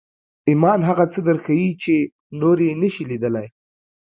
ایمان هغه څه درښيي چې نور یې نشي لیدلی